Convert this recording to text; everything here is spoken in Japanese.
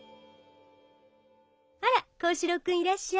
「あら光子郎君いらっしゃい」。